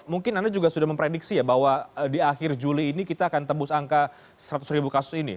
mungkin anda juga sudah memprediksi ya bahwa di akhir juli ini kita akan tembus angka seratus ribu kasus ini